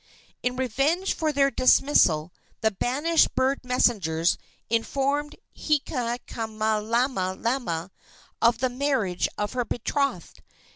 In revenge for their dismissal the banished bird messengers informed Hinaikamalama of the marriage of her betrothed.